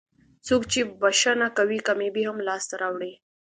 څوک چې بښنه کوي کامیابي هم لاسته راوړي.